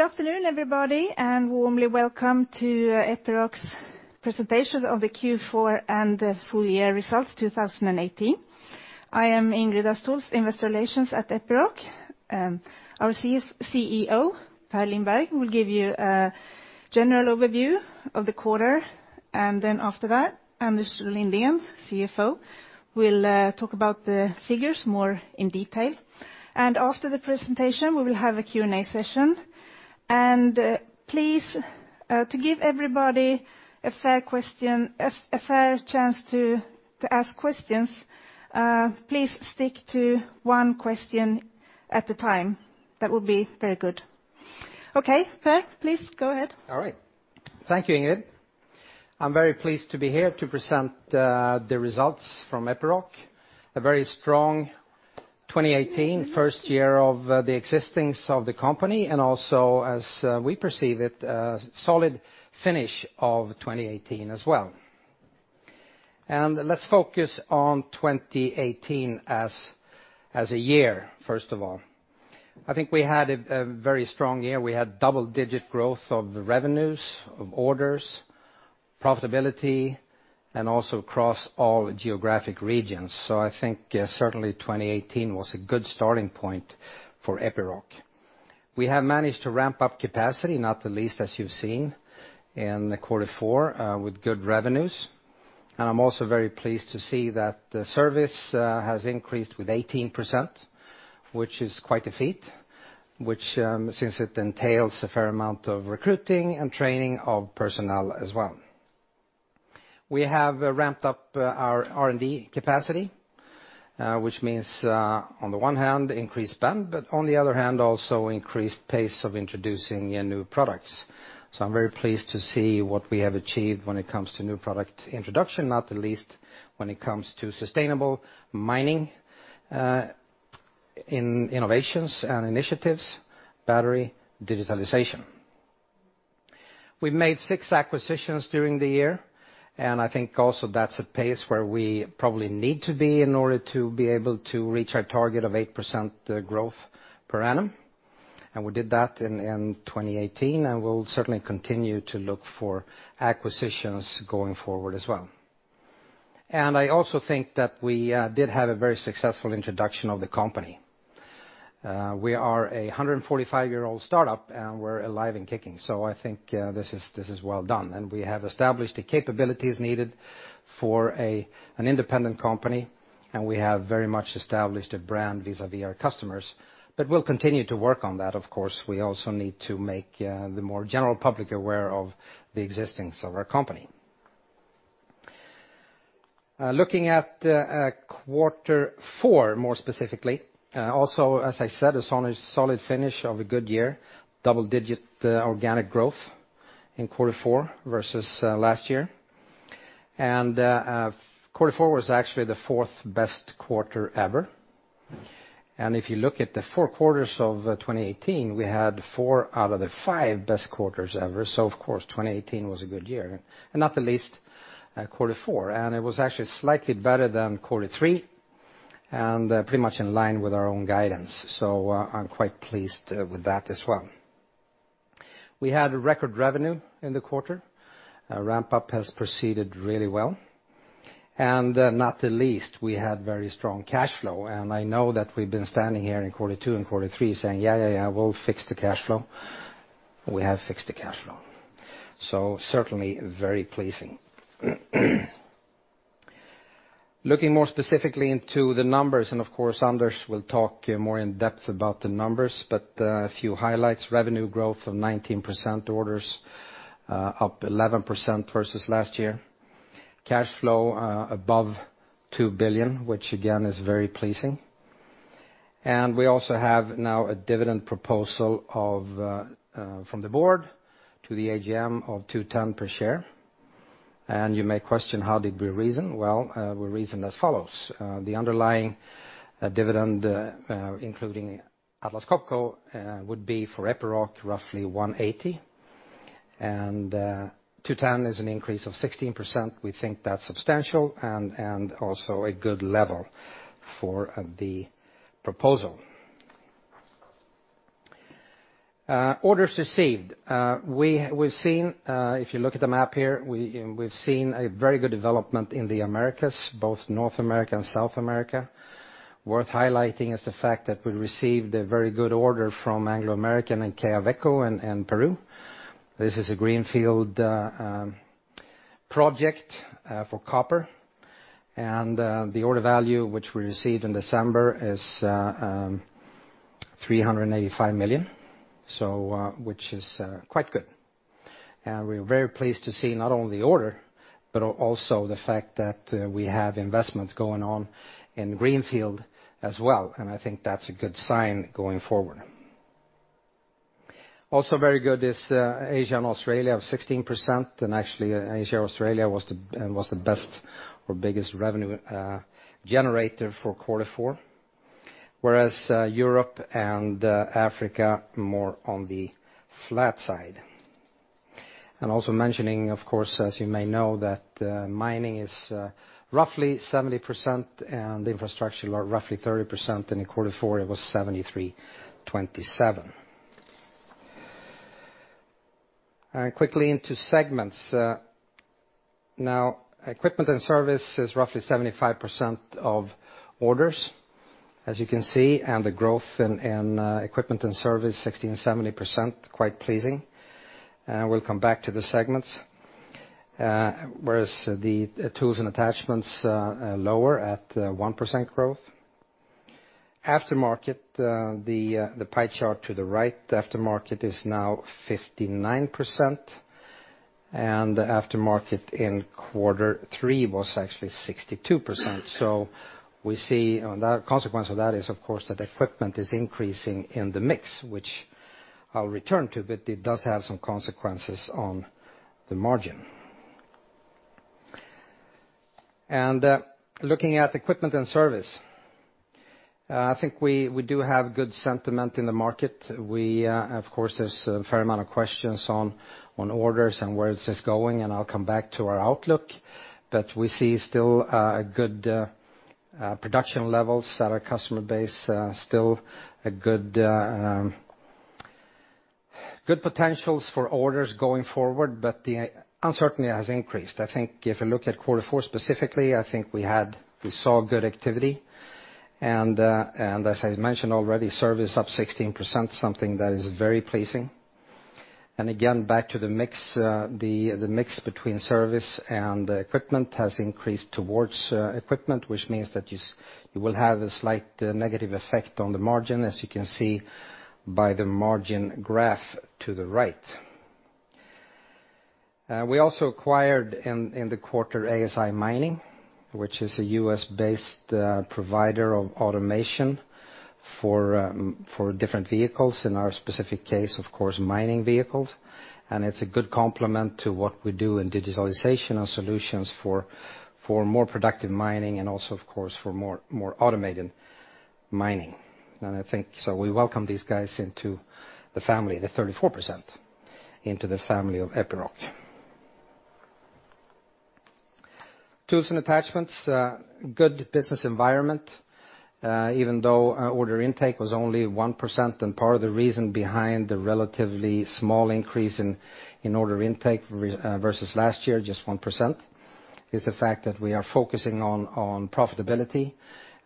Good afternoon, everybody, and warmly welcome to Epiroc's presentation of the Q4 and full year results 2018. I am Ingrid Östhols, investor relations at Epiroc. Our CEO, Per Lindberg, will give you a general overview of the quarter, then after that, Anders Lindén, CFO, will talk about the figures more in detail. After the presentation, we will have a Q&A session. Please, to give everybody a fair chance to ask questions, please stick to one question at a time. That would be very good. Okay, Per, please go ahead. All right. Thank you, Ingrid. I'm very pleased to be here to present the results from Epiroc. A very strong 2018, first year of the existence of the company, and also, as we perceive it, a solid finish of 2018 as well. Let's focus on 2018 as a year, first of all. I think we had a very strong year. We had double-digit growth of the revenues, of orders, profitability, and also across all geographic regions. I think certainly 2018 was a good starting point for Epiroc. We have managed to ramp up capacity, not the least as you've seen in quarter IV with good revenues. I'm also very pleased to see that the service has increased with 18%, which is quite a feat, since it entails a fair amount of recruiting and training of personnel as well. We have ramped up our R&D capacity, which means, on the one hand, increased spend, but on the other hand, also increased pace of introducing new products. I'm very pleased to see what we have achieved when it comes to new product introduction, not the least when it comes to sustainable mining in innovations and initiatives, battery, digitalization. We've made 6 acquisitions during the year. I think also that's a pace where we probably need to be in order to be able to reach our target of 8% growth per annum. We did that in 2018, and we'll certainly continue to look for acquisitions going forward as well. I also think that we did have a very successful introduction of the company. We are a 145-year-old startup, and we're alive and kicking. I think this is well done. We have established the capabilities needed for an independent company, and we have very much established a brand vis-à-vis our customers. We'll continue to work on that, of course. We also need to make the more general public aware of the existence of our company. Looking at quarter IV more specifically, also, as I said, a solid finish of a good year. Double-digit organic growth in quarter IV versus last year. Quarter IV was actually the fourth best quarter ever. If you look at the four quarters of 2018, we had four out of the five best quarters ever. Of course, 2018 was a good year, and not the least quarter IV. It was actually slightly better than quarter III, and pretty much in line with our own guidance. I'm quite pleased with that as well. We had record revenue in the quarter. Ramp-up has proceeded really well. Not the least, we had very strong cash flow. I know that we've been standing here in quarter II and quarter III saying, "Yeah, we'll fix the cash flow." We have fixed the cash flow. Certainly very pleasing. Looking more specifically into the numbers, and of course, Anders will talk more in depth about the numbers, but a few highlights. Revenue growth of 19%, orders up 11% versus last year. Cash flow above 2 billion, which again, is very pleasing. We also have now a dividend proposal from the board to the AGM of 2.10 per share. You may question how did we reason. Well, we reasoned as follows. The underlying dividend including Atlas Copco would be for Epiroc roughly 1.80, and 2.10 is an increase of 16%. We think that's substantial and also a good level for the proposal. Orders received. If you look at the map here, we've seen a very good development in the Americas, both North America and South America. Worth highlighting is the fact that we received a very good order from Anglo American and Quellaveco in Peru. This is a greenfield project for copper. The order value which we received in December is 385 million, which is quite good. We're very pleased to see not only the order, but also the fact that we have investments going on in greenfield as well. I think that's a good sign going forward. Also very good is Asia and Australia of 16%. Actually, Asia, Australia was the best or biggest revenue generator for quarter IV, whereas Europe and Africa more on the flat side. Also mentioning, of course, as you may know, that mining is roughly 70% and infrastructure roughly 30%. In quarter IV it was 73/27. Quickly into segments. Now, equipment and service is roughly 75% of orders, as you can see. The growth in equipment and service 16%, 17%, quite pleasing. We'll come back to the segments. Whereas the Tools & Attachments are lower at 1% growth. Aftermarket, the pie chart to the right. Aftermarket is now 59%. Aftermarket in quarter III was actually 62%. We see the consequence of that is, of course, that equipment is increasing in the mix, which I'll return to, but it does have some consequences on the margin. Looking at equipment and service, I think we do have good sentiment in the market. Of course, there's a fair amount of questions on orders and where this is going. I'll come back to our outlook. We see still good production levels at our customer base, still good potentials for orders going forward, but the uncertainty has increased. I think if you look at quarter IV specifically, I think we saw good activity. As I mentioned already, service up 16%, something that is very pleasing. Again, back to the mix. The mix between service and equipment has increased towards equipment, which means that you will have a slight negative effect on the margin, as you can see by the margin graph to the right. We also acquired, in the quarter, ASI Mining, which is a U.S.-based provider of automation for different vehicles. In our specific case, of course, mining vehicles. It's a good complement to what we do in digitalization and solutions for more productive mining and also, of course, for more automated mining. We welcome these guys into the family, the 34% into the family of Epiroc. Tools and Attachments. Good business environment, even though order intake was only 1%, and part of the reason behind the relatively small increase in order intake versus last year, just 1%, is the fact that we are focusing on profitability.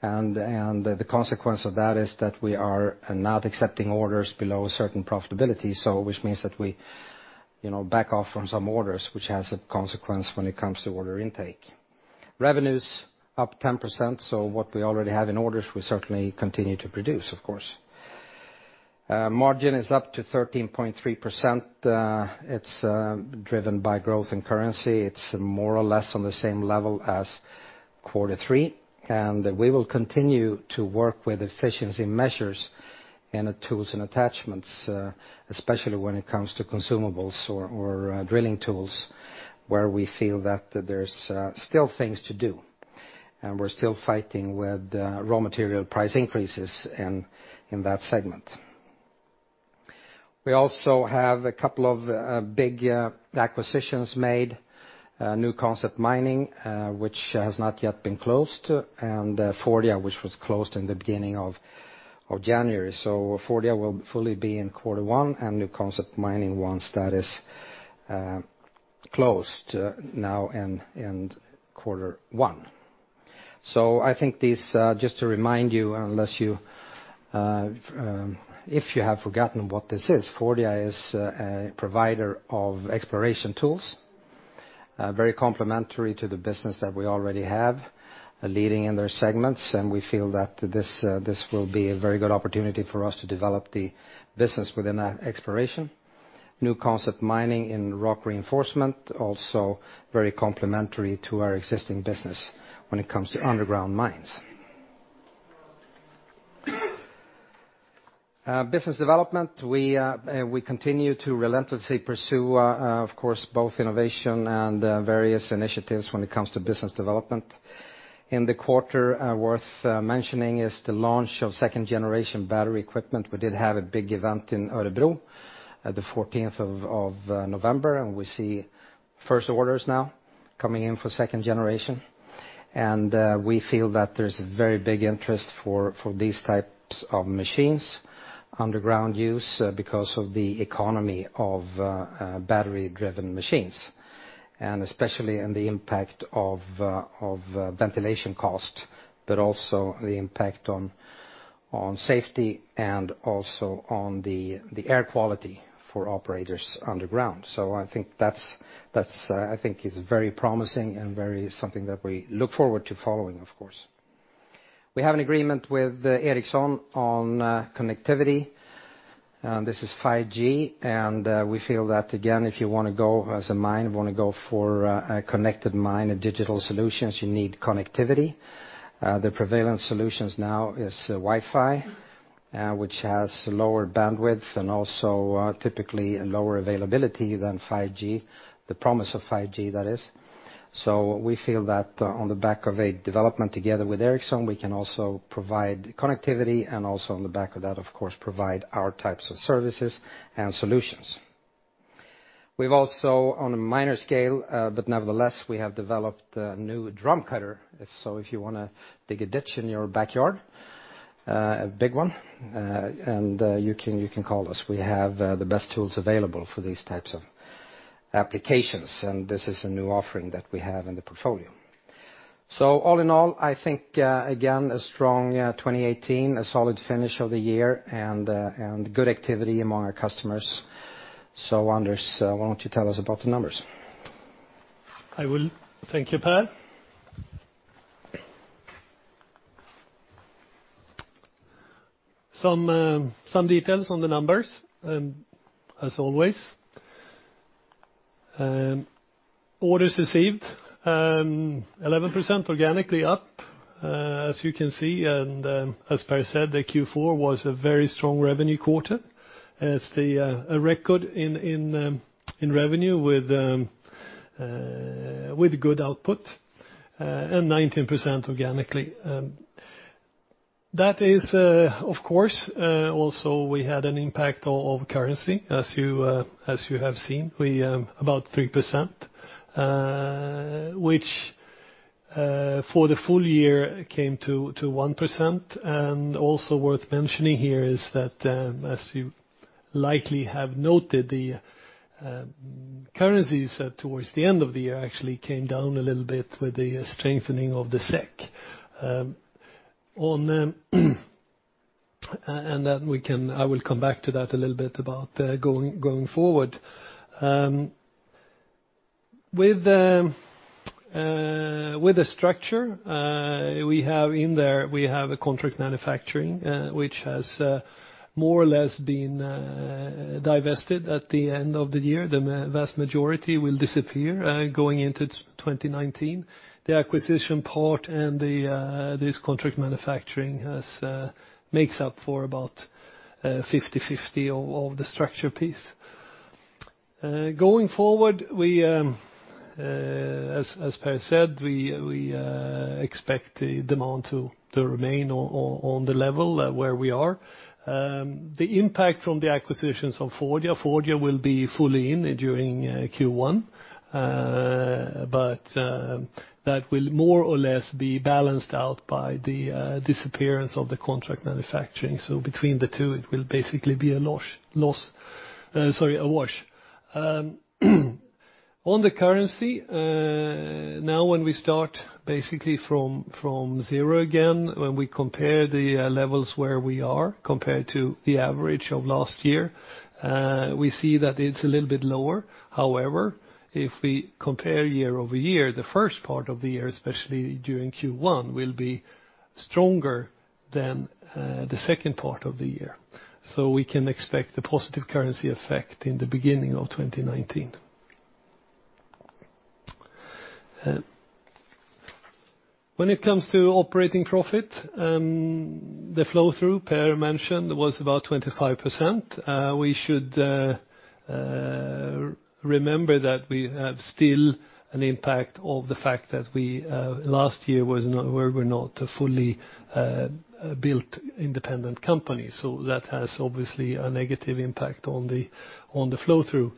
The consequence of that is that we are not accepting orders below a certain profitability, which means that we back off from some orders, which has a consequence when it comes to order intake. Revenues up 10%, so what we already have in orders will certainly continue to produce, of course. Margin is up to 13.3%. It's driven by growth in currency. It's more or less on the same level as quarter III. We will continue to work with efficiency measures in Tools and Attachments, especially when it comes to consumables or drilling tools, where we feel that there's still things to do. We're still fighting with raw material price increases in that segment. We also have a couple of big acquisitions made. New Concept Mining, which has not yet been closed, and Fordia, which was closed in the beginning of January. Fordia will fully be in quarter I, and New Concept Mining, once that is closed now in quarter I. I think this, just to remind you, if you have forgotten what this is, Fordia is a provider of exploration tools, very complementary to the business that we already have, leading in their segments. We feel that this will be a very good opportunity for us to develop the business within exploration. New Concept Mining in rock reinforcement, also very complementary to our existing business when it comes to underground mines. Business development. We continue to relentlessly pursue, of course, both innovation and various initiatives when it comes to business development. In the quarter, worth mentioning is the launch of second generation battery equipment. We did have a big event in Örebro at the 14th of November. We see first orders now coming in for second generation. We feel that there's very big interest for these types of machines, underground use, because of the economy of battery-driven machines, and especially in the impact of ventilation cost, but also the impact on safety and also on the air quality for operators underground. I think it's very promising and something that we look forward to following, of course. We have an agreement with Ericsson on connectivity. This is 5G. We feel that, again, if you want to go as a mine, want to go for a connected mine, digital solutions, you need connectivity. The prevailing solutions now is Wi-Fi, which has lower bandwidth and also typically a lower availability than 5G. The promise of 5G, that is. We feel that on the back of a development together with Ericsson, we can also provide connectivity and also on the back of that, of course, provide our types of services and solutions. We've also, on a minor scale, but nevertheless, we have developed a new drum cutter. If you want to dig a ditch in your backyard, a big one, you can call us. We have the best tools available for these types of applications, and this is a new offering that we have in the portfolio. All in all, I think, again, a strong 2018, a solid finish of the year, and good activity among our customers. Anders, why don't you tell us about the numbers? I will. Thank you, Per. Some details on the numbers, as always. Orders received, 11% organically up. As you can see, and as Per said, the Q4 was a very strong revenue quarter. It's a record in revenue with good output and 19% organically. Of course, also we had an impact of currency, as you have seen, about 3%, which for the full year came to 1%. Also worth mentioning here is that, as you likely have noted, the currencies towards the end of the year actually came down a little bit with the strengthening of the SEK. I will come back to that a little bit about going forward. With the structure we have in there, we have a contract manufacturing, which has more or less been divested at the end of the year. The vast majority will disappear going into 2019. The acquisition part and this contract manufacturing makes up for about 50/50 of the structure piece. Going forward, as Per said, we expect the demand to remain on the level where we are. The impact from the acquisitions of Fordia. Fordia will be fully in during Q1, but that will more or less be balanced out by the disappearance of the contract manufacturing. Between the two, it will basically be a wash. On the currency, now when we start basically from zero again, when we compare the levels where we are compared to the average of last year, we see that it's a little bit lower. However, if we compare year-over-year, the first part of the year, especially during Q1, will be stronger than the second part of the year. We can expect the positive currency effect in the beginning of 2019. When it comes to operating profit, the flow-through Per mentioned was about 25%. We should remember that we have still an impact of the fact that last year we were not a fully built independent company. That has obviously a negative impact on the flow-through.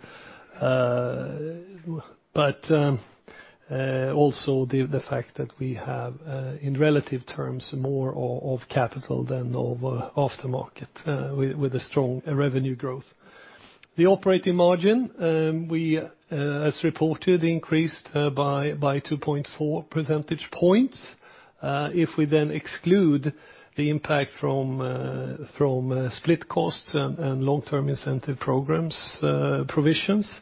Also the fact that we have, in relative terms, more of capital than of the market with a strong revenue growth. The operating margin, as reported, increased by 2.4 percentage points. If we then exclude the impact from split costs and long-term incentive programs provisions,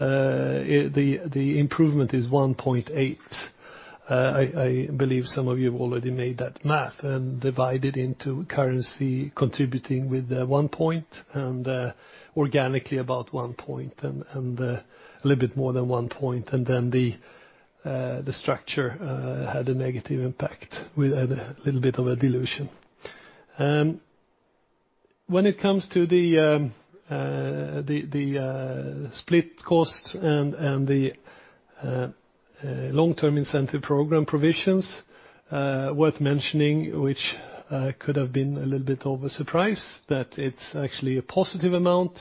the improvement is 1.8 percentage points. I believe some of you have already made that math and divide it into currency contributing with one percentage point and organically about one percentage point and a little bit more than one percentage point. Then the structure had a negative impact with a little bit of a dilution. When it comes to the split costs and the long-term incentive program provisions, worth mentioning, which could have been a little bit of a surprise, that it's actually a positive amount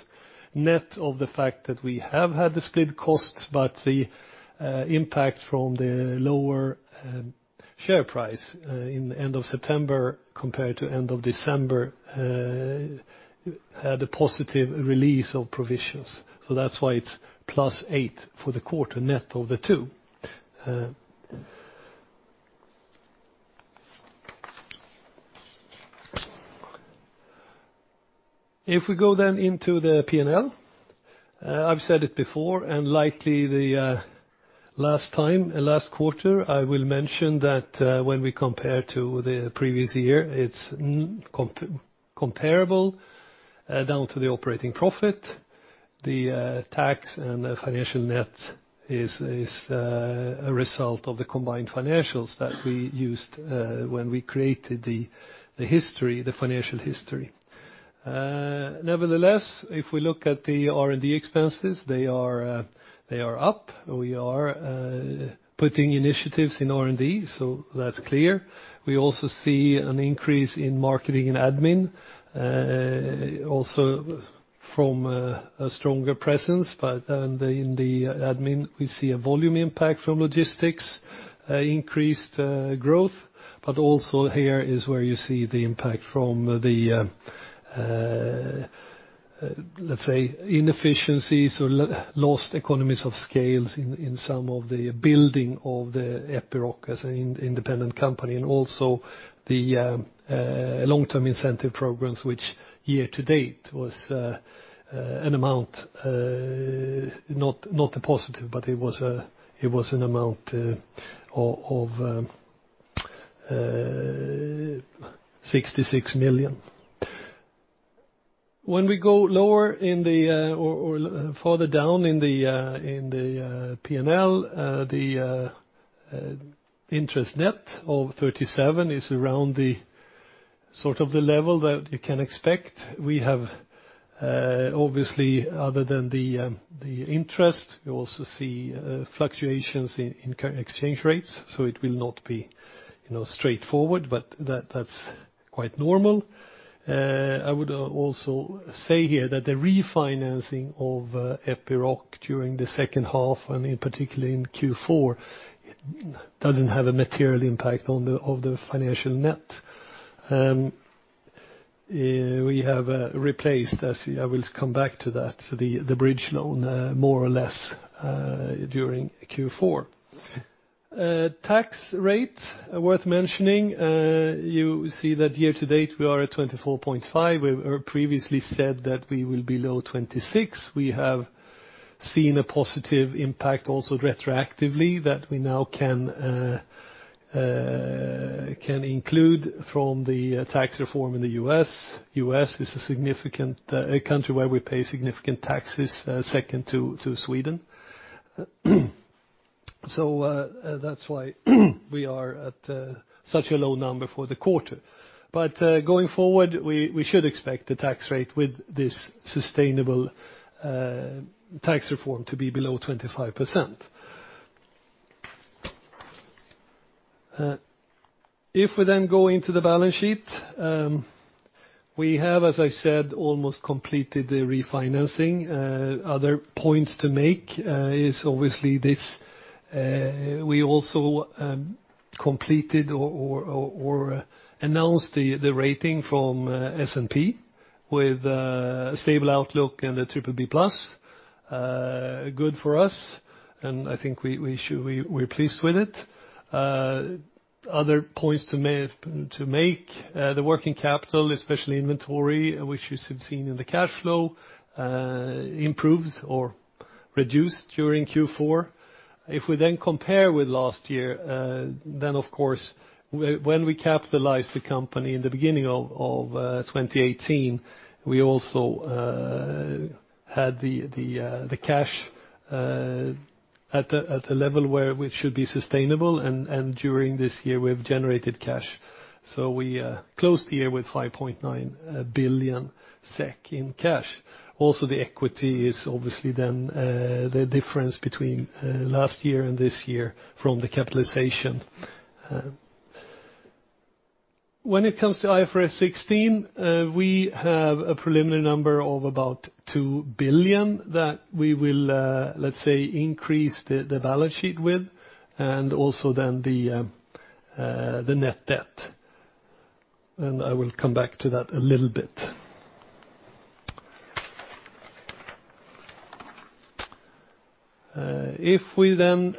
net of the fact that we have had the split costs, but the impact from the lower share price in the end of September compared to end of December had a positive release of provisions. So that's why it's plus 8 for the quarter net of the two. If we go then into the P&L, I've said it before and likely the last time, last quarter, I will mention that when we compare to the previous year, it's comparable down to the operating profit. The tax and the financial net is a result of the combined financials that we used when we created the financial history. If we look at the R&D expenses, they are up. We are putting initiatives in R&D, so that's clear. We also see an increase in marketing and admin, also from a stronger presence. But in the admin, we see a volume impact from logistics, increased growth, but also here is where you see the impact from the, let's say, inefficiencies or lost economies of scales in some of the building of the Epiroc as an independent company, and also the long-term incentive programs, which year to date was an amount not a positive, but it was an amount of 66 million. When we go lower or further down in the P&L, the interest net of 37 is around the level that you can expect. We have obviously, other than the interest, we also see fluctuations in exchange rates, so it will not be straightforward, but that's quite normal. I would also say here that the refinancing of Epiroc during the second half, and particularly in Q4, doesn't have a material impact of the financial net. We have obviously, other than the interest, we also see fluctuations in exchange rates, so it will not be straightforward, but that's quite normal. We have replaced, I will come back to that, the bridge loan, more or less, during Q4. Tax rate worth mentioning, you see that year to date, we are at 24.5%. We've previously said that we will be low 26%. We have seen a positive impact also retroactively that we now can include from the tax reform in the U.S. The U.S. is a country where we pay significant taxes, second to Sweden. So that's why we are at such a low number for the quarter. But going forward, we should expect the tax rate with this sustainable tax reform to be below 25%. If we then go into the balance sheet, we have, as I said, almost completed the refinancing. Other points to make is obviously we also completed or announced the rating from S&P with a stable outlook and a BBB+. Good for us, and I think we're pleased with it. Other points to make, the working capital, especially inventory, which you have seen in the cash flow, improves or reduced during Q4. If we then compare with last year, then of course, when we capitalized the company in the beginning of 2018, we also had the cash at a level where it should be sustainable, and during this year, we have generated cash. So we closed the year with 5.9 billion SEK in cash. Also the equity is obviously then the difference between last year and this year from the capitalization. When it comes to IFRS 16, we have a preliminary number of about 2 billion that we will, let's say, increase the balance sheet with, and also then the net debt. I will come back to that a little bit. If we then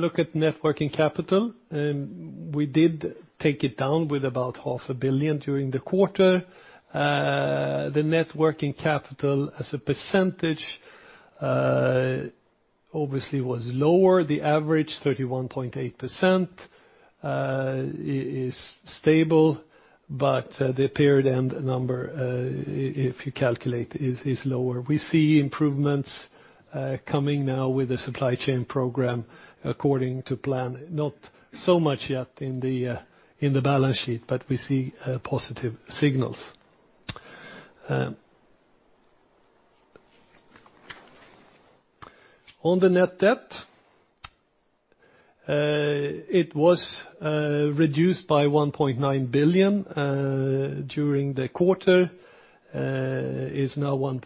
look at net working capital, we did take it down with about half a billion SEK during the quarter. The net working capital as a percentage obviously was lower. The average 31.8% is stable, but the period end number, if you calculate, is lower. We see improvements coming now with the supply chain program according to plan, not so much yet in the balance sheet, but we see positive signals. On the net debt, it was reduced by 1.9 billion during the quarter. Is now 1.2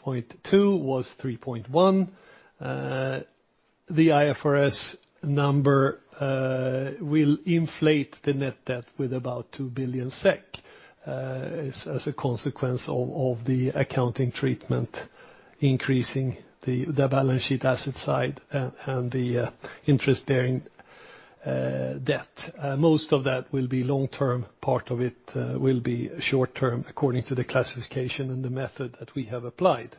billion, was 3.1 billion. The IFRS number will inflate the net debt with about 2 billion SEK as a consequence of the accounting treatment increasing the balance sheet asset side and the interest-bearing debt. Most of that will be long-term. Part of it will be short-term according to the classification and the method that we have applied.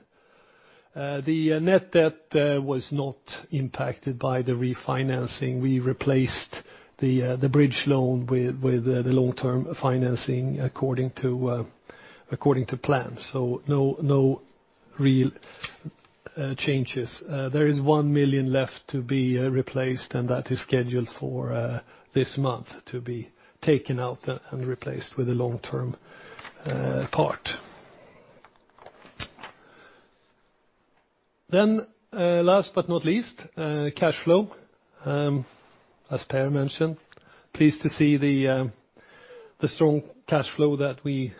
The net debt was not impacted by the refinancing. We replaced the bridge loan with the long-term financing according to plan. No real changes. There is 1 million left to be replaced, and that is scheduled for this month to be taken out and replaced with a long-term part. Last but not least, cash flow. As Per mentioned, pleased to see the strong cash flow that we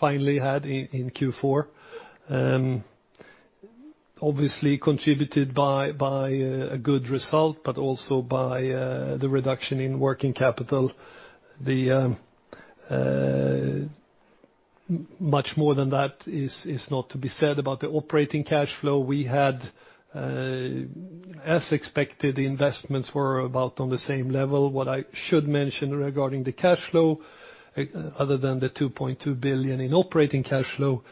finally had in Q4. Obviously contributed by a good result, but also by the reduction in working capital. Much more than that is not to be said about the operating cash flow we had. As expected, investments were about on the same level. What I should mention regarding the cash flow, other than the 2.2 billion in operating cash flow,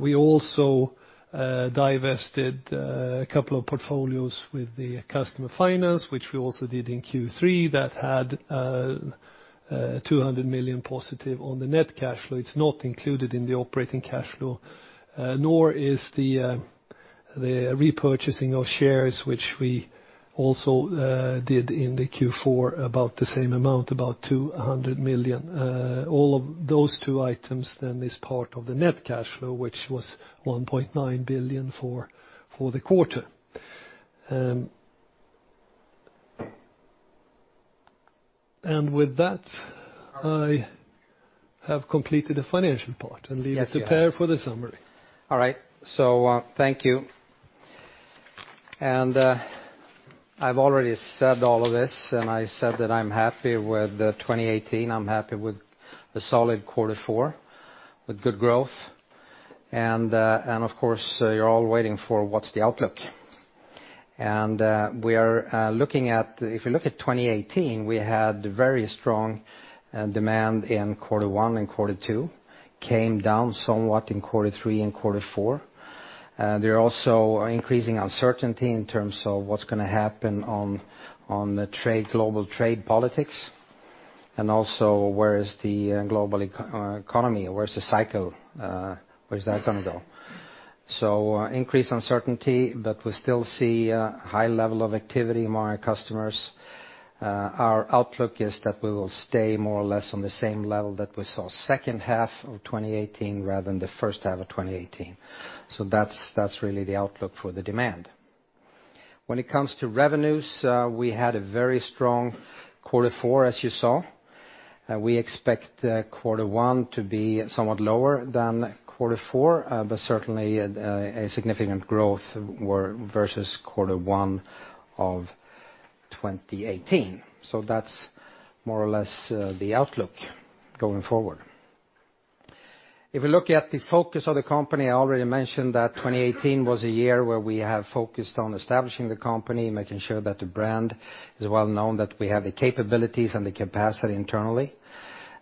we also divested a couple of portfolios with the customer finance, which we also did in Q3 that had 200 million positive on the net cash flow. It's not included in the operating cash flow, nor is the repurchasing of shares, which we also did in the Q4 about the same amount, about 200 million. All of those two items is part of the net cash flow, which was 1.9 billion for the quarter. With that, I have completed the financial part and leave it to Per for the summary. All right. Thank you. I've already said all of this, and I said that I'm happy with 2018. I'm happy with the solid quarter IV with good growth. Of course, you're all waiting for what's the outlook. If we look at 2018, we had very strong demand in quarter I and quarter II. Came down somewhat in quarter III and quarter four. There are also increasing uncertainty in terms of what's going to happen on the global trade politics and also where is the global economy, where's the cycle, where's that going to go? Increased uncertainty, but we still see a high level of activity among our customers. Our outlook is that we will stay more or less on the same level that we saw second half of 2018 rather than the first half of 2018. That's really the outlook for the demand. When it comes to revenues, we had a very strong quarter IV, as you saw. We expect quarter I to be somewhat lower than quarter IV, but certainly a significant growth versus quarter I of 2018. That's more or less the outlook going forward. If we look at the focus of the company, I already mentioned that 2018 was a year where we have focused on establishing the company, making sure that the brand is well-known, that we have the capabilities and the capacity internally.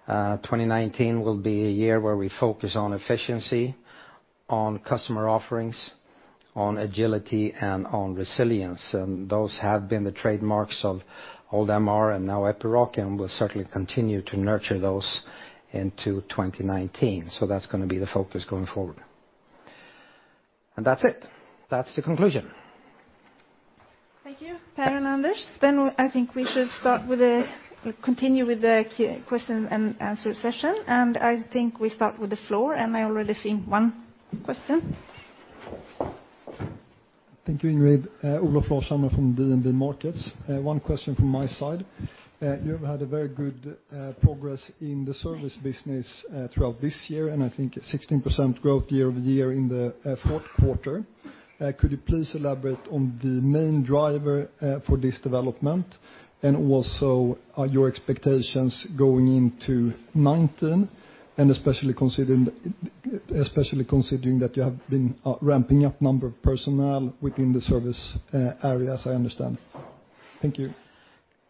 2019 will be a year where we focus on efficiency, on customer offerings, on agility, and on resilience. Those have been the trademarks of old MRET and now Epiroc, and we'll certainly continue to nurture those into 2019. That's going to be the focus going forward. That's it. That's the conclusion. Thank you, Per and Anders. I think we should continue with the Q&A session. I think we start with the floor, and I already see one question. Thank you, Ingrid. Olof Larshammar from DNB Markets. One question from my side. You have had a very good progress in the service business throughout this year, I think 16% growth year-over-year in the fourth quarter. Could you please elaborate on the main driver for this development? Also, are your expectations going into mountain and especially considering that you have been ramping up number of personnel within the service areas, I understand. Thank you.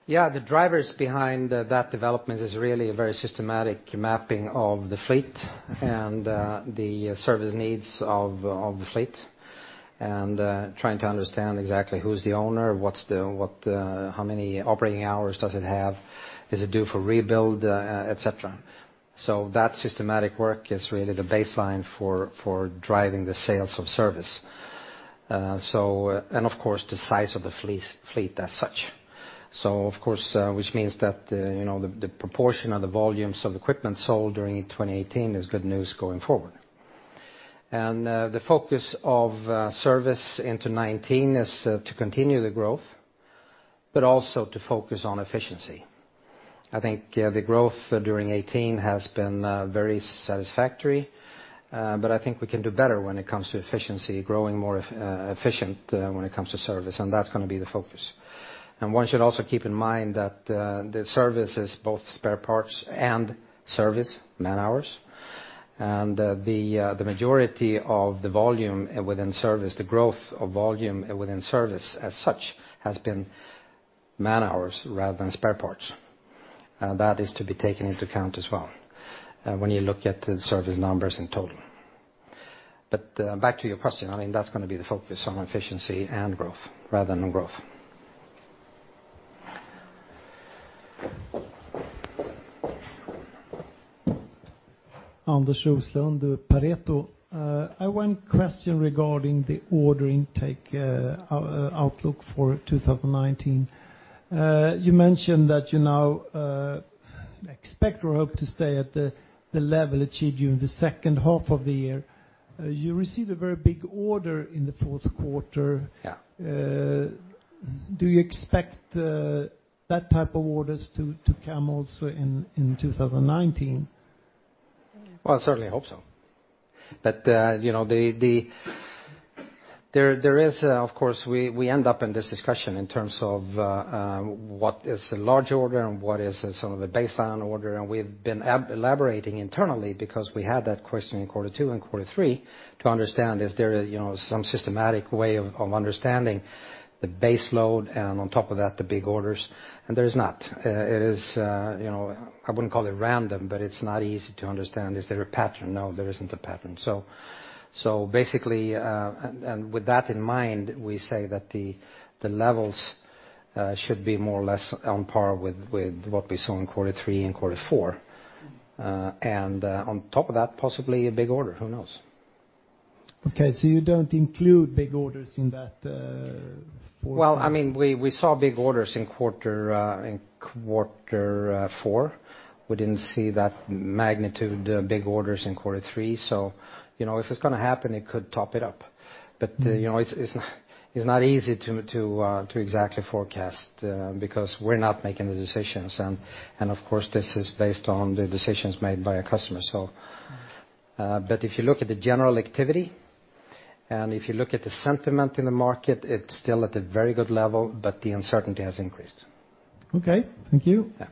The drivers behind that development is really a very systematic mapping of the fleet and the service needs of the fleet and trying to understand exactly who's the owner, how many operating hours does it have, is it due for rebuild, et cetera. That systematic work is really the baseline for driving the sales of service. Of course, the size of the fleet as such. Of course, which means that the proportion of the volumes of equipment sold during 2018 is good news going forward. The focus of service into 2019 is to continue the growth, but also to focus on efficiency. I think the growth during 2018 has been very satisfactory, but I think we can do better when it comes to efficiency, growing more efficient when it comes to service, that's going to be the focus. One should also keep in mind that the service is both spare parts and service man-hours. The majority of the volume within service, the growth of volume within service as such, has been man-hours rather than spare parts. That is to be taken into account as well when you look at the service numbers in total. Back to your question, that's going to be the focus on efficiency and growth rather than growth. Anders Roslund, Pareto. I have one question regarding the order intake outlook for 2019. You mentioned that you now expect or hope to stay at the level achieved during the second half of the year. You received a very big order in the fourth quarter. Yeah. Do you expect that type of orders to come also in 2019? Well, I certainly hope so. There is, of course, we end up in this discussion in terms of what is a large order and what is some of the baseline order, we've been elaborating internally because we had that question in quarter II and quarter III to understand, is there some systematic way of understanding the base load and on top of that, the big orders? There's not. I wouldn't call it random, but it's not easy to understand. Is there a pattern? No, there isn't a pattern. Basically, with that in mind, we say that the levels should be more or less on par with what we saw in quarter III and quarter IV. On top of that, possibly a big order. Who knows? Okay. You don't include big orders in that forecast? We saw big orders in quarter IV. We didn't see that magnitude big orders in quarter III. If it's going to happen, it could top it up. It's not easy to exactly forecast, because we're not making the decisions, and of course, this is based on the decisions made by a customer. If you look at the general activity and if you look at the sentiment in the market, it's still at a very good level, but the uncertainty has increased. Okay. Thank you. Yeah.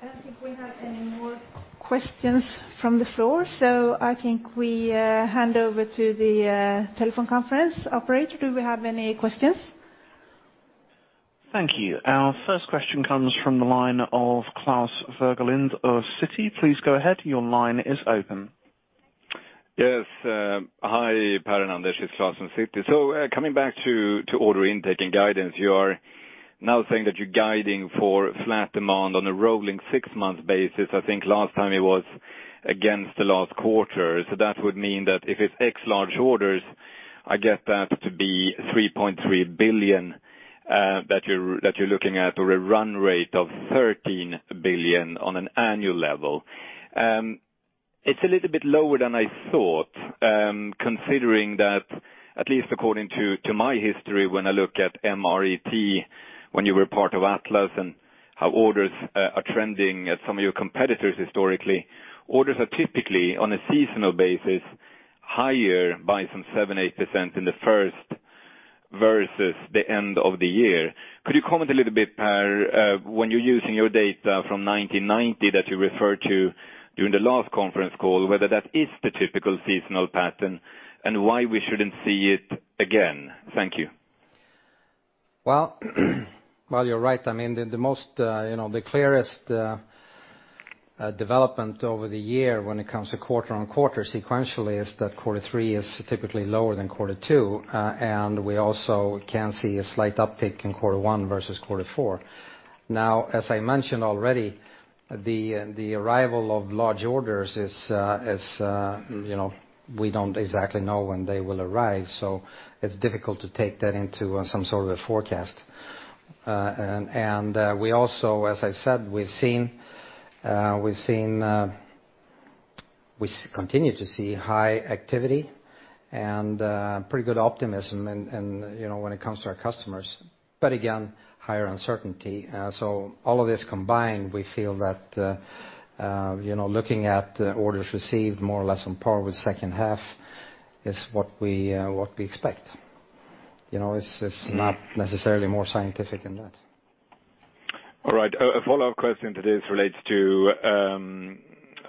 I don't think we have any more questions from the floor, so I think we hand over to the telephone conference operator. Do we have any questions? Thank you. Our first question comes from the line of Klas Bergelind of Citi. Please go ahead. Your line is open. Yes. Hi, Per and Anders. It's Klas from Citi. Coming back to order intake and guidance, you are now saying that you're guiding for flat demand on a rolling six-month basis. I think last time it was against the last quarter. That would mean that if it's X large orders, I get that to be 3.3 billion that you're looking at or a run rate of 13 billion on an annual level. It's a little bit lower than I thought, considering that at least according to my history when I look at MRET, when you were part of Atlas and how orders are trending at some of your competitors historically, orders are typically on a seasonal basis higher by some 7%, 8% in the first versus the end of the year. Could you comment a little bit, Per, when you're using your data from 1990 that you referred to during the last conference call, whether that is the typical seasonal pattern and why we shouldn't see it again? Thank you. Well you're right. The clearest development over the year when it comes to quarter- on- quarter sequentially is that quarter III is typically lower than quarter II. We also can see a slight uptick in quarter I versus quarter IV. Now, as I mentioned already, the arrival of large orders is we don't exactly know when they will arrive, so it's difficult to take that into some sort of a forecast. We also, as I said, we continue to see high activity and pretty good optimism when it comes to our customers. Again, higher uncertainty. All of this combined, we feel that looking at orders received more or less on par with second half is what we expect. It's not necessarily more scientific than that. All right. A follow-up question to this relates to,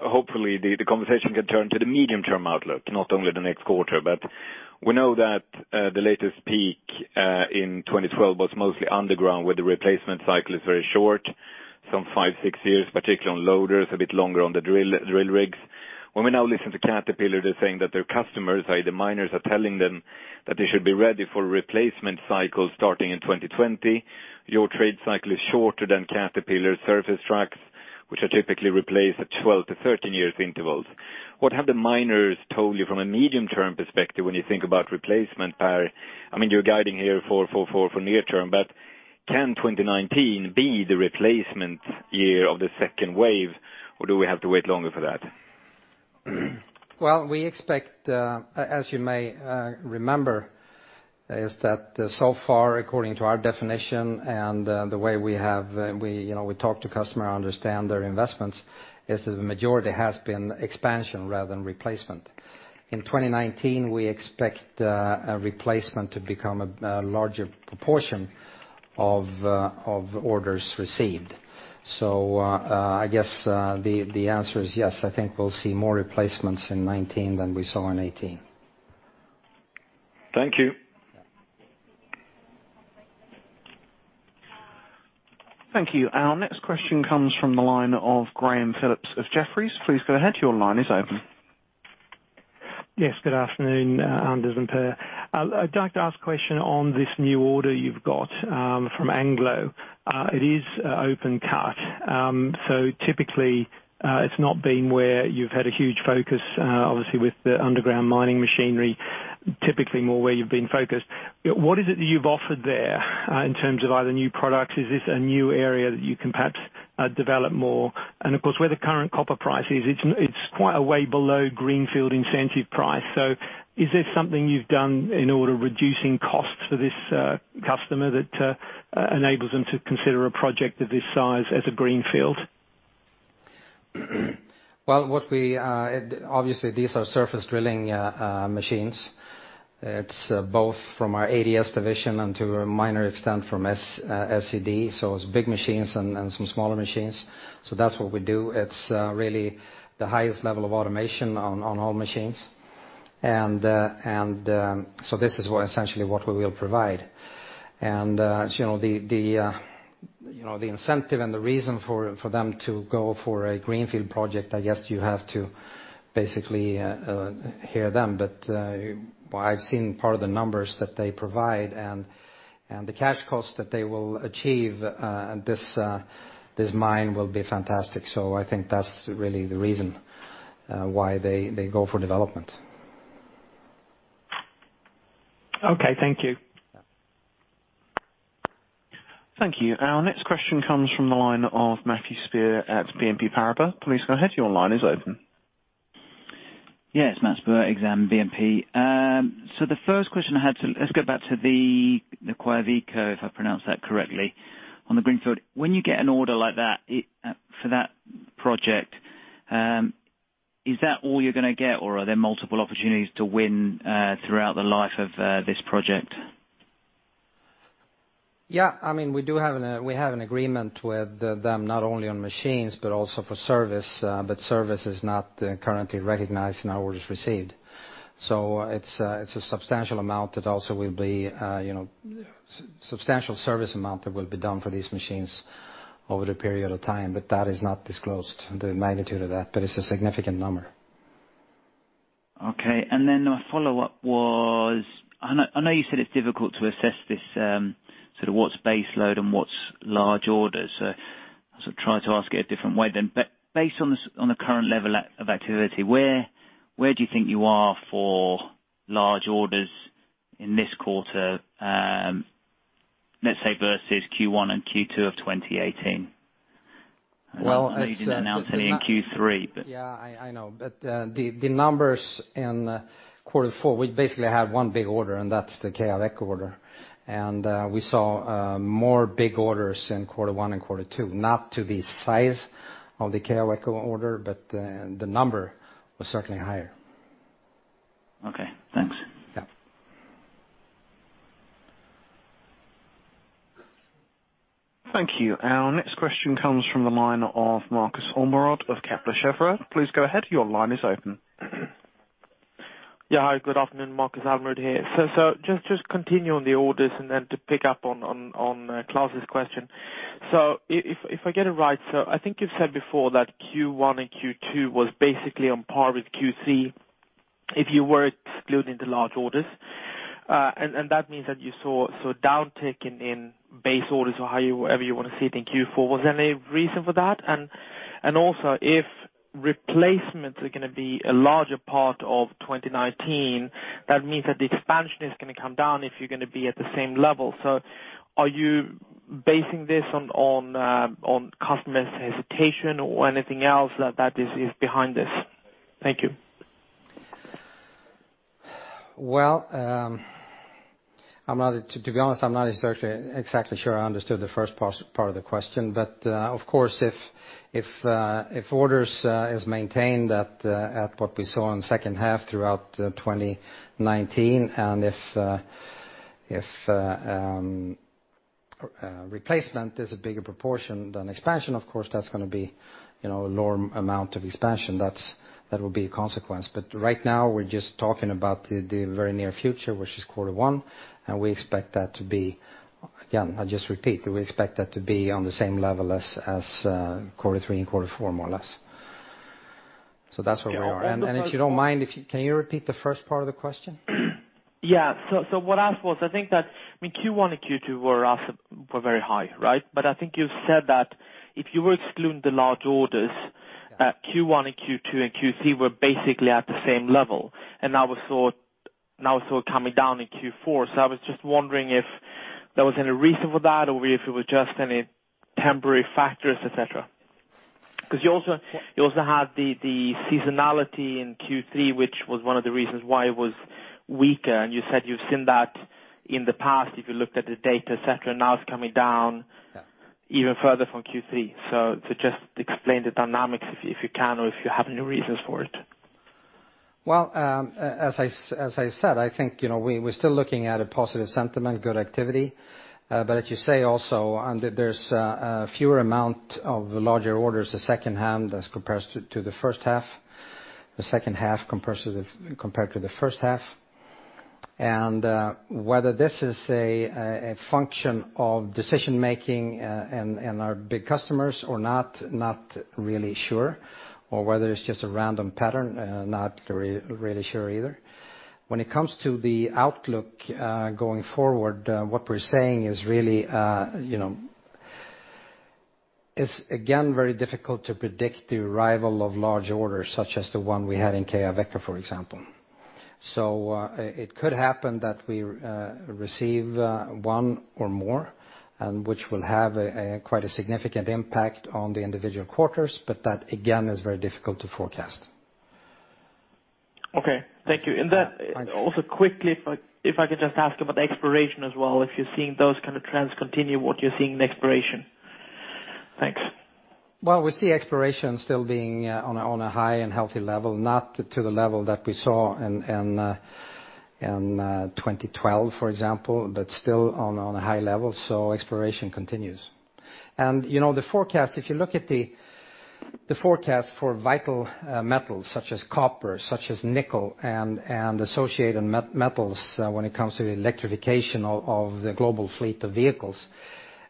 hopefully, the conversation can turn to the medium-term outlook, not only the next quarter. We know that the latest peak in 2012 was mostly underground, where the replacement cycle is very short, some five, six years, particularly on loaders, a bit longer on the drill rigs. When we now listen to Caterpillar, they're saying that their customers, the miners, are telling them that they should be ready for replacement cycles starting in 2020. Your trade cycle is shorter than Caterpillar surface tracks, which are typically replaced at 12-13 years intervals. What have the miners told you from a medium-term perspective when you think about replacement, Per? You're guiding here for near- term, but can 2019 be the replacement year of the second wave, or do we have to wait longer for that? Well, we expect, as you may remember, is that so far, according to our definition and the way we talk to customer, understand their investments, is that the majority has been expansion rather than replacement. In 2019, we expect a replacement to become a larger proportion of orders received. I guess the answer is yes. I think we'll see more replacements in 2019 than we saw in 2018. Thank you. Yeah. Thank you. Our next question comes from the line of Graham Phillips of Jefferies. Please go ahead. Your line is open. Yes, good afternoon, Anders and Per. I'd like to ask a question on this new order you've got from Anglo. It is open cut. Typically, it's not been where you've had a huge focus, obviously, with the underground mining machinery, typically more where you've been focused. What is it that you've offered there in terms of either new products? Is this a new area that you can perhaps develop more? Of course, where the current copper price is, it's quite way below greenfield incentive price. Is this something you've done in order reducing costs for this customer that enables them to consider a project of this size as a greenfield? Well, obviously, these are surface drilling machines. It's both from our ADS division and to a minor extent from SCD. It's big machines and some smaller machines. That's what we do. It's really the highest level of automation on all machines. This is essentially what we will provide. The incentive and the reason for them to go for a greenfield project, I guess you have to basically hear them. I've seen part of the numbers that they provide, and the cash costs that they will achieve, this mine will be fantastic. I think that's really the reason why they go for development. Okay, thank you. Thank you. Our next question comes from the line of Matthew Spurr at BNP Paribas. Please go ahead. Your line is open. Yes, Matt Spurr, ex-AM BNP. The first question, let's go back to the Quellaveco, if I pronounced that correctly, on the greenfield. When you get an order like that for that project, is that all you're gonna get or are there multiple opportunities to win throughout the life of this project? Yeah, we have an agreement with them not only on machines but also for service is not currently recognized in our orders received. It's a substantial service amount that will be done for these machines over the period of time, but that is not disclosed, the magnitude of that, but it's a significant number. Okay. Then my follow-up was, I know you said it's difficult to assess this, sort of what's base load and what's large orders. I sort of try to ask it a different way then. Based on the current level of activity, where do you think you are for large orders in this quarter, let's say versus Q1 and Q2 of 2018? Well. I know you didn't announce any in Q3. Yeah, I know. The numbers in quarter IV, we basically have one big order, and that's the Quellaveco order. We saw more big orders in quarter I and quarter II, not to the size of the Quellaveco order, but the number was certainly higher. Okay, thanks. Yeah. Thank you. Our next question comes from the line of Marcus Almerud of Kepler Cheuvreux. Please go ahead. Your line is open. Yeah, hi, good afternoon. Marcus Almerud here. Just continue on the orders and then to pick up on Klas's question. If I get it right, I think you've said before that Q1 and Q2 was basically on par with Q3 if you were excluding the large orders. That means that you saw a downtick in base orders or however you want to see it in Q4. Was there any reason for that? Also, if replacements are gonna be a larger part of 2019, that means that the expansion is gonna come down if you're gonna be at the same level. Are you basing this on customers' hesitation or anything else that is behind this? Thank you. Well, to be honest, I'm not exactly sure I understood the first part of the question. Of course, if orders is maintained at what we saw in second half throughout 2019, and if replacement is a bigger proportion than expansion, of course, that's gonna be a lower amount of expansion. That will be a consequence. Right now, we're just talking about the very near future, which is quarter I, and we expect that to be Again, I'll just repeat, we expect that to be on the same level as quarter III and quarter IV, more or less. That's where we are. Yeah. What was the first- If you don't mind, can you repeat the first part of the question? Yeah. What I asked was, I think that Q1 and Q2 were very high, right? I think you've said that if you were excluding the large orders- Yeah Q1 and Q2 and Q3 were basically at the same level, that was sort of coming down in Q4. I was just wondering if there was any reason for that or if it was just any temporary factors, et cetera. You also had the seasonality in Q3, which was one of the reasons why it was weaker, and you said you've seen that in the past if you looked at the data, et cetera. Now it's coming down- Yeah even further from Q3. Just explain the dynamics if you can or if you have any reasons for it. As I said, I think, we're still looking at a positive sentiment, good activity. As you say also, there's a fewer amount of larger orders the second half as compared to the first half. Whether this is a function of decision making and our big customers or not, I'm not really sure. Whether it's just a random pattern, not really sure either. When it comes to the outlook going forward, what we're saying is really, it's again, very difficult to predict the arrival of large orders such as the one we had in Quellaveco, for example. It could happen that we receive one or more, which will have quite a significant impact on the individual quarters, but that again, is very difficult to forecast. Okay. Thank you. Thanks. Also quickly, if I could just ask about exploration as well, if you're seeing those kind of trends continue, what you're seeing in exploration. Thanks. Well, we see exploration still being on a high and healthy level, not to the level that we saw in 2012, for example, but still on a high level. Exploration continues. The forecast, if you look at the forecast for vital metals such as copper, such as nickel and associated metals when it comes to the electrification of the global fleet of vehicles,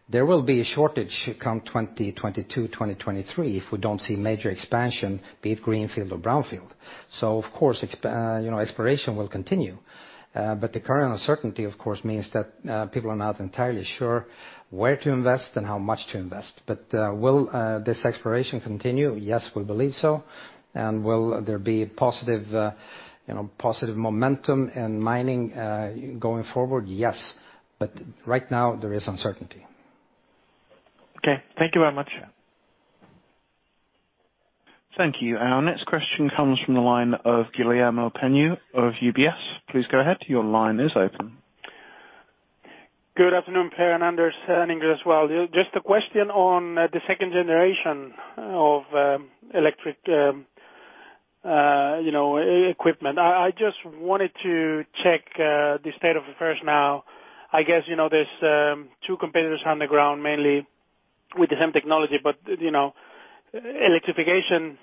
there will be a shortage come 2022, 2023 if we don't see major expansion, be it greenfield or brownfield. Of course, exploration will continue. The current uncertainty, of course, means that people are not entirely sure where to invest and how much to invest. Will this exploration continue? Yes, we believe so. Will there be positive momentum in mining going forward? Yes. Right now there is uncertainty. Okay. Thank you very much. Thank you. Our next question comes from the line of Guillermo Peigneux of UBS. Please go ahead. Your line is open. Good afternoon, Per and Anders as well. Just a question on the second generation of electric equipment. I just wanted to check the state of affairs now. I guess, there's two competitors on the ground, mainly with the same technology, but electrification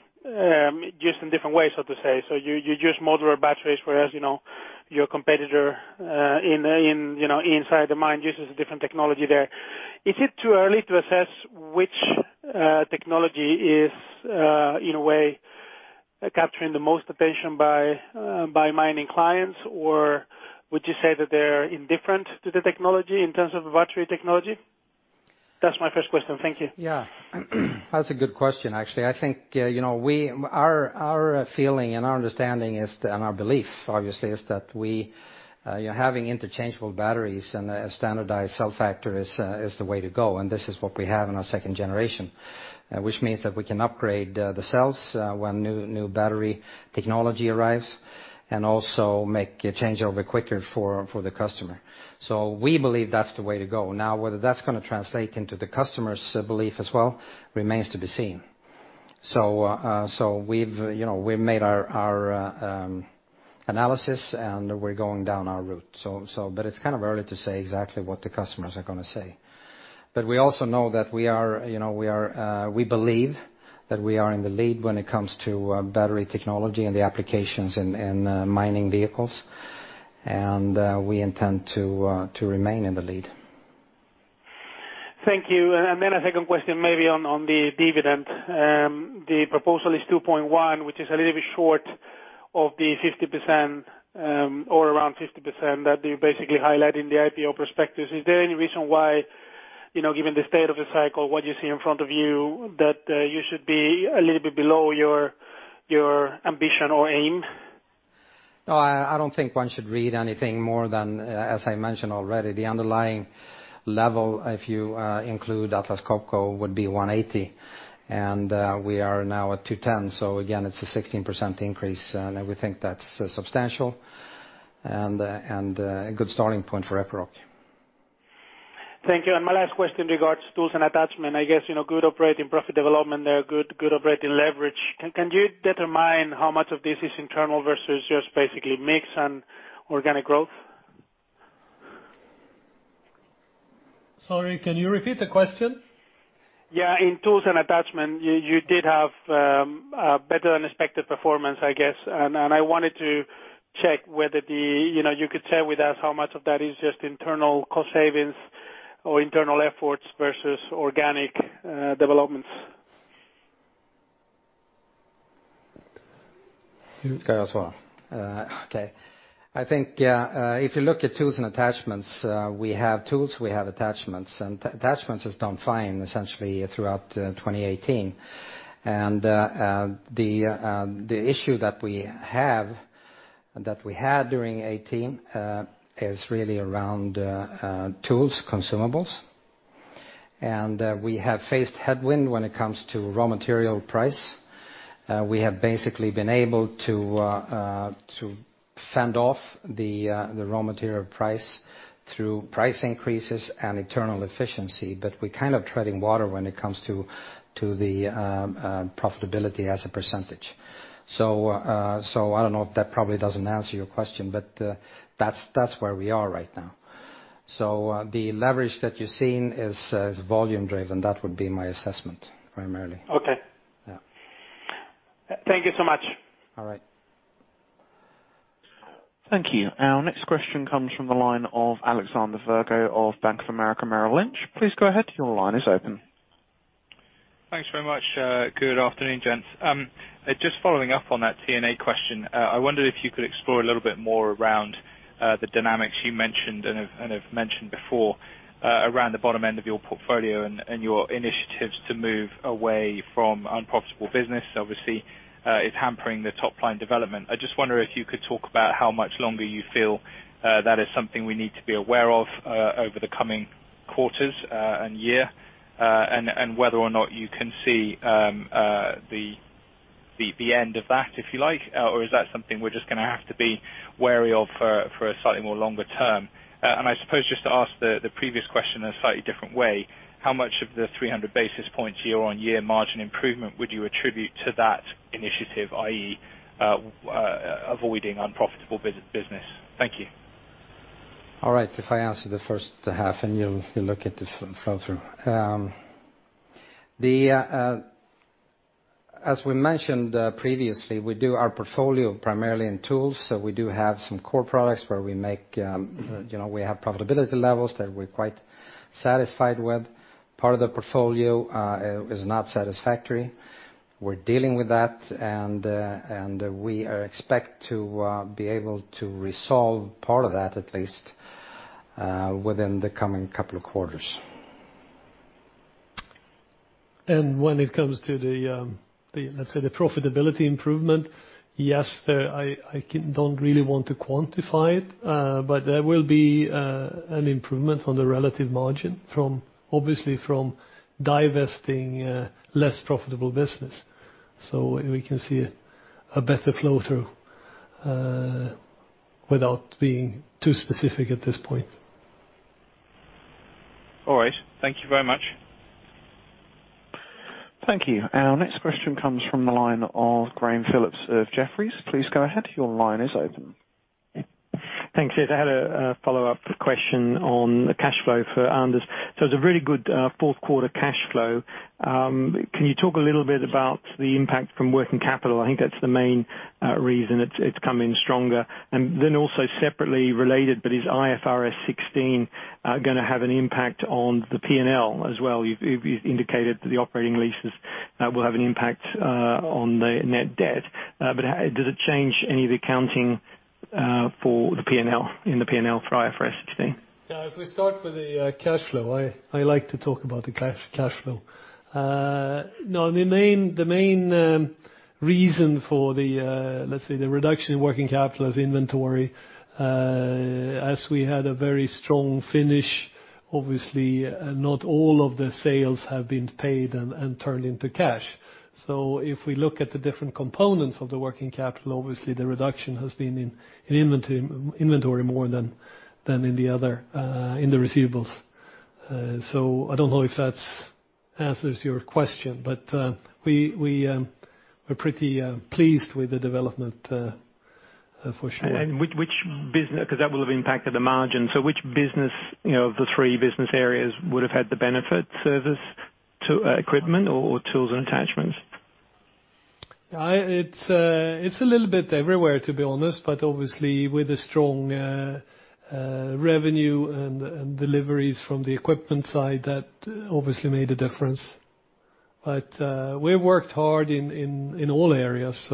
used in different ways, so to say. You use modular batteries, whereas your competitor inside the mine uses a different technology there. Is it too early to assess which technology is, in a way, capturing the most attention by mining clients? Would you say that they're indifferent to the technology in terms of battery technology? That's my first question. Thank you. Yeah. That's a good question, actually. I think our feeling and our understanding and our belief, obviously, is that having interchangeable batteries and a standardized cell factor is the way to go, and this is what we have in our second generation. Which means that we can upgrade the cells when new battery technology arrives, and also make a changeover quicker for the customer. We believe that's the way to go. Now, whether that's going to translate into the customer's belief as well remains to be seen. We've made our analysis, and we're going down our route. It's early to say exactly what the customers are going to say. We also know that we believe that we are in the lead when it comes to battery technology and the applications in mining vehicles. We intend to remain in the lead. Thank you. Then a second question maybe on the dividend. The proposal is 2.1, which is a little bit short of the 50%, or around 50%, that you basically highlight in the IPO prospectus. Is there any reason why, given the state of the cycle, what you see in front of you, that you should be a little bit below your ambition or aim? No, I don't think one should read anything more than, as I mentioned already, the underlying level, if you include Atlas Copco, would be 180, and we are now at 210. Again, it's a 16% increase, and we think that's substantial and a good starting point for Epiroc. Thank you. My last question regards Tools & Attachments. I guess, good operating profit development there, good operating leverage. Can you determine how much of this is internal versus just basically mix and organic growth? Sorry, can you repeat the question? Yeah. In Tools & Attachments, you did have a better-than-expected performance, I guess. I wanted to check whether you could share with us how much of that is just internal cost savings or internal efforts versus organic developments. Go as well. Okay. I think if you look at tools and attachments, we have tools, we have attachments, and attachments has done fine essentially throughout 2018. The issue that we had during 2018 is really around tools, consumables. We have faced headwind when it comes to raw material price. We have basically been able to fend off the raw material price through price increases and internal efficiency. We're treading water when it comes to the profitability as a percentage. I don't know if that probably doesn't answer your question, that's where we are right now. The leverage that you're seeing is volume driven. That would be my assessment, primarily. Okay. Yeah. Thank you so much. All right. Thank you. Our next question comes from the line of Alexander Virgo of Bank of America Merrill Lynch. Please go ahead. Your line is open. Thanks very much. Good afternoon, gents. Just following up on that T&A question, I wondered if you could explore a little bit more around the dynamics you mentioned, and have mentioned before, around the bottom end of your portfolio and your initiatives to move away from unprofitable business. Obviously, it's hampering the top-line development. I just wonder if you could talk about how much longer you feel that is something we need to be aware of over the coming quarters and year, and whether or not you can see the end of that, if you like? Is that something we're just going to have to be wary of for a slightly more longer term? I suppose just to ask the previous question in a slightly different way, how much of the 300 basis points year-on-year margin improvement would you attribute to that initiative, i.e., avoiding unprofitable business? Thank you. All right. If I answer the first half, you'll look at the flow through. As we mentioned previously, we do our portfolio primarily in tools, we do have some core products where we have profitability levels that we're quite satisfied with. Part of the portfolio is not satisfactory. We're dealing with that, we expect to be able to resolve part of that at least within the coming couple of quarters. When it comes to the, let's say, the profitability improvement. Yes, I don't really want to quantify it, there will be an improvement on the relative margin, obviously, from divesting less profitable business, we can see a better flow-through, without being too specific at this point. All right. Thank you very much. Thank you. Our next question comes from the line of Graham Phillips of Jefferies. Please go ahead. Your line is open. Thanks. Yes, I had a follow-up question on the cashflow for Anders. It's a really good fourth quarter cashflow. Can you talk a little bit about the impact from working capital? I think that's the main reason it's come in stronger. Also separately related, is IFRS 16 going to have an impact on the P&L as well? You've indicated that the operating leases will have an impact on the net debt. Does it change any of the accounting for the P&L, in the P&L for IFRS 16? Yeah. If we start with the cashflow, I like to talk about the cashflow. The main reason for the, let's say, the reduction in working capital is inventory. As we had a very strong finish, obviously not all of the sales have been paid and turned into cash. If we look at the different components of the working capital, obviously the reduction has been in inventory more than in the receivables. I don't know if that answers your question, but we're pretty pleased with the development for sure. Which business-- Because that will have impacted the margin, which business of the three business areas would have had the benefit? Service to equipment or Tools and Attachments? It's a little bit everywhere, to be honest, obviously with a strong revenue and deliveries from the Equipment side, that obviously made a difference. We've worked hard in all areas,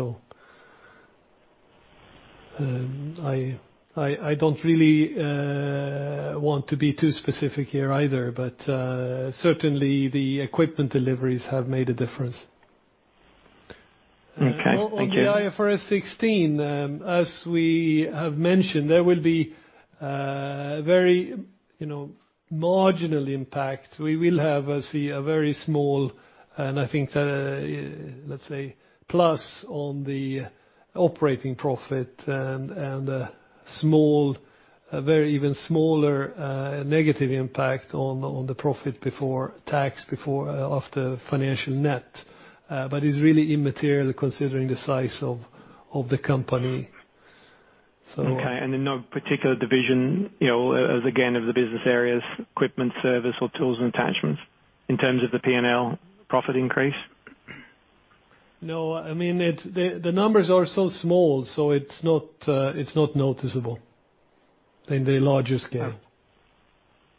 I don't really want to be too specific here either. Certainly, the Equipment deliveries have made a difference. Okay. Thank you. On the IFRS 16, as we have mentioned, there will be very marginal impact. We will have a very small, and I think, let's say, plus on the operating profit and a very even smaller negative impact on the profit before tax, after financial net. It's really immaterial considering the size of the company. Okay. No particular division as again, of the business areas, equipment, service, or Tools and Attachments in terms of the P&L profit increase? No. The numbers are so small, so it's not noticeable in the larger scale.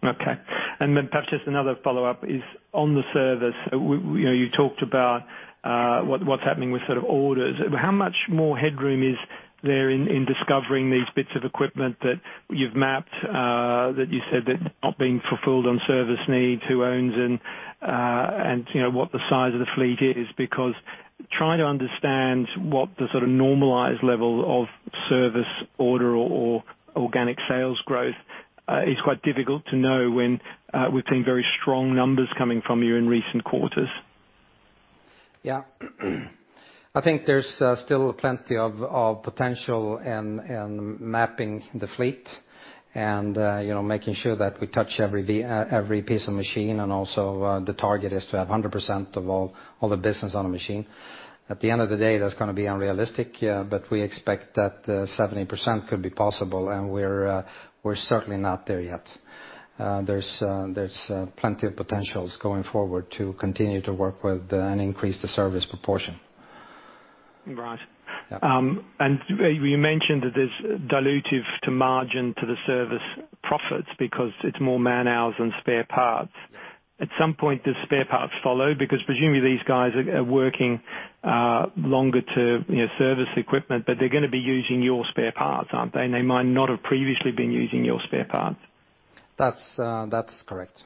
Okay. Perhaps just another follow-up is on the service. You talked about what's happening with orders. How much more headroom is there in discovering these bits of equipment that you've mapped, that you said that's not been fulfilled on service needs, who owns and what the size of the fleet is? Trying to understand what the normalized level of service order or organic sales growth is quite difficult to know when we've seen very strong numbers coming from you in recent quarters. Yeah. I think there's still plenty of potential in mapping the fleet and making sure that we touch every piece of machine and also, the target is to have 100% of all the business on a machine. At the end of the day, that's going to be unrealistic, but we expect that 70% could be possible, and we're certainly not there yet. There's plenty of potentials going forward to continue to work with and increase the service proportion. Right. Yeah. You mentioned that it's dilutive to margin to the service profits because it's more man-hours than spare parts. Yeah. At some point, do spare parts follow? Presumably these guys are working longer to service equipment, but they're going to be using your spare parts, aren't they? They might not have previously been using your spare parts. That's correct.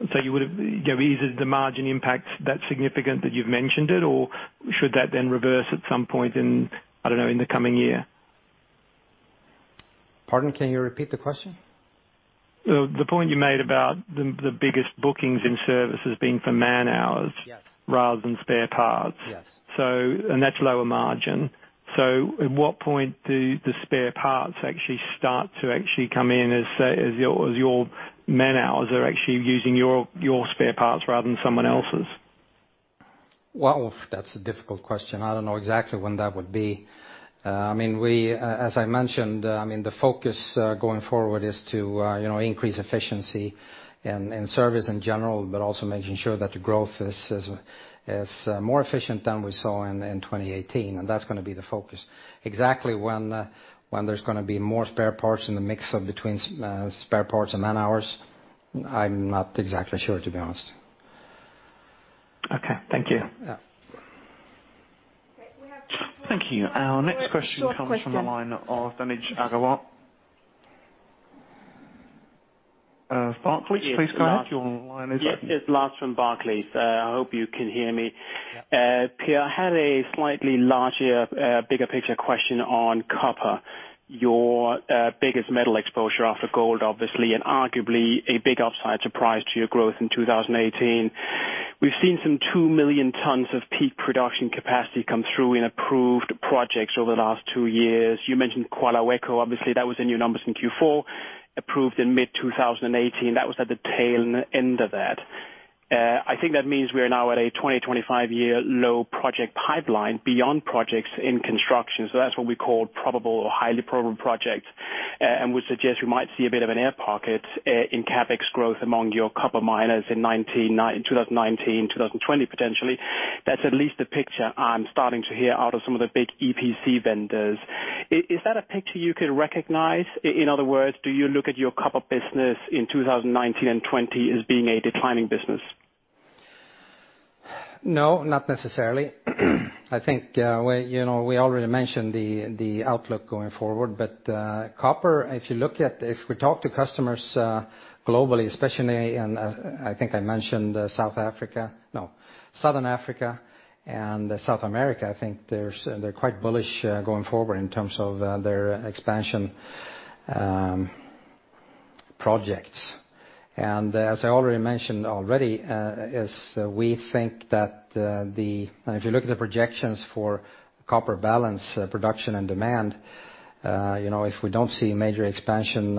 Is the margin impact that significant that you've mentioned it? Should that then reverse at some point in, I don't know, in the coming year? Pardon? Can you repeat the question? The point you made about the biggest bookings in services being for man-hours- Yes rather than spare parts. Yes. That's lower margin. At what point do the spare parts actually start to actually come in, as your man-hours are actually using your spare parts rather than someone else's? Well, that's a difficult question. I don't know exactly when that would be. As I mentioned, the focus going forward is to increase efficiency in service in general, but also making sure that the growth is more efficient than we saw in 2018. That's going to be the focus. Exactly when there's going to be more spare parts in the mix between spare parts and man-hours, I'm not exactly sure, to be honest. Okay. Thank you. Yeah. Okay. We have time for one short question. Thank you. Our next question comes from the line of Amit Agarwal. Barclays, please go ahead. Your line is open. Yes, it's Lars from Barclays. I hope you can hear me. Yeah. Per, I had a slightly larger, bigger picture question on copper, your biggest metal exposure after gold, obviously, and arguably a big upside surprise to your growth in 2018. We've seen some 2 million tons of peak production capacity come through in approved projects over the last 2 years. You mentioned Quellaveco, obviously, that was in your numbers in Q4, approved in mid-2018. That was at the tail end of that. I think that means we are now at a 20-25-year low project pipeline beyond projects in construction. That's what we call probable or highly probable projects, and would suggest we might see a bit of an air pocket in CapEx growth among your copper miners in 2019, 2020 potentially. That's at least the picture I'm starting to hear out of some of the big EPC vendors. Is that a picture you could recognize? In other words, do you look at your copper business in 2019 and 2020 as being a declining business? No, not necessarily. I think we already mentioned the outlook going forward. Copper, if we talk to customers globally, especially in, I think I mentioned South Africa. No, southern Africa and South America, I think they're quite bullish going forward in terms of their expansion projects. As I already mentioned, is we think that if you look at the projections for copper balance production and demand, if we don't see major expansion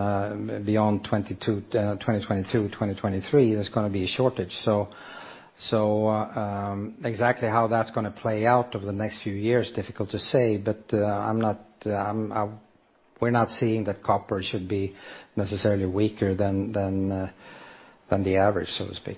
beyond 2022, 2023, there's going to be a shortage. Exactly how that's going to play out over the next few years, difficult to say, but we're not seeing that copper should be necessarily weaker than the average, so to speak.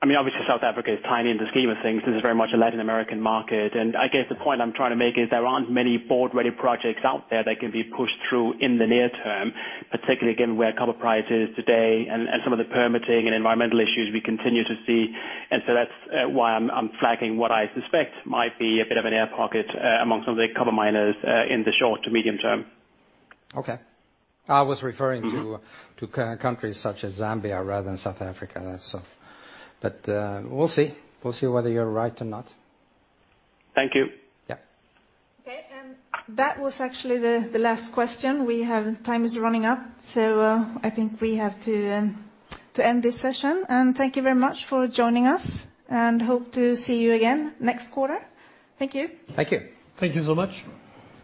Obviously South Africa is tiny in the scheme of things. This is very much a Latin American market. I guess the point I'm trying to make is there aren't many board-ready projects out there that can be pushed through in the near- term, particularly given where copper price is today and some of the permitting and environmental issues we continue to see. So that's why I'm flagging what I suspect might be a bit of an air pocket among some of the copper miners in the short to medium term. Okay. I was referring to countries such as Zambia rather than South Africa. We'll see whether you're right or not. Thank you. Yeah. Okay. That was actually the last question. Time is running up. I think we have to end this session. Thank you very much for joining us, and hope to see you again next quarter. Thank you. Thank you. Thank you so much.